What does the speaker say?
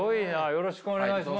よろしくお願いします。